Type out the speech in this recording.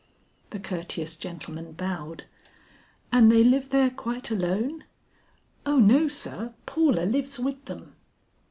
The courteous gentleman bowed. "And they live there quite alone?" "O no sir, Paula lives with them."